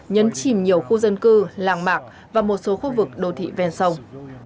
nhấn chìm nhiều khu dân cư làng mạc và một số khu vực đô thị ven sông